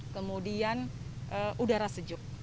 kemudian udara sejuk